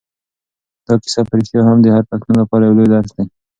دا کیسه په رښتیا هم د هر پښتون لپاره یو لوی درس دی.